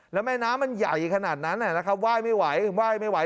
แล้วแม่น้ำมันใหญ่ขนาดนั้นนะครับไหว้ไม่ไหวไหว้ไม่ไหว